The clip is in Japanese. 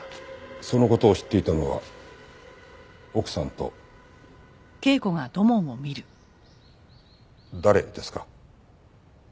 その事を知っていたのは奥さんと誰ですか？